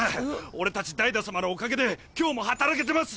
俺たちダイダ様のおかげで今日も働けてます！